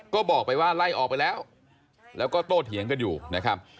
ก็บอกไปว่าไล่ออกไปแล้วแล้วก็โตเถียงกันอยู่นะครับ